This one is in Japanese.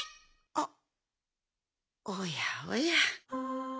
あっおやおや。